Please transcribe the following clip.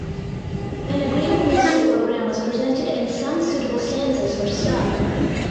An agreeable musical program was presented and some suitable stanzas were sung.